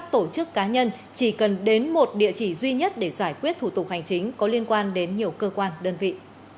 tổ chức cá nhân chỉ cần đến một địa chỉ duy nhất để giải quyết thủ tục hành chính có liên quan đến nhiều cơ quan đơn vị